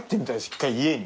１回家に。